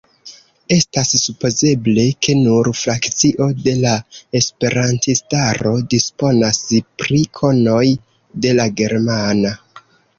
Estas supozeble, ke nur frakcio de la esperantistaro disponas pri konoj de la germana.